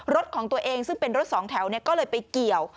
รถของตัวเองซึ่งเป็นรถสองแถวก็เลยไปเกี่ยว